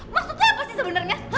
maksudnya apa sih sebenernya